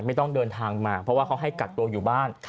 ไม่ต้องเดินทางมาเพราะว่าเขาให้กักตัวอยู่บ้าน